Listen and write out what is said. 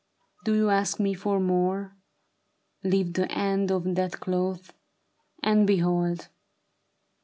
Do you ask me for more ? Lift the end of that cloth. And behold